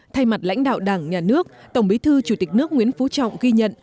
thay mặt lãnh đạo đảng nhà nước tổng bí thư chủ tịch nước nguyễn phú trọng ghi nhận